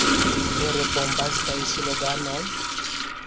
Per bombastaj sloganoj?